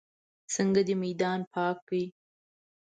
څنګه دې میدان پاک کړ.